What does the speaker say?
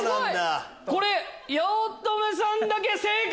八乙女さんだけ正解！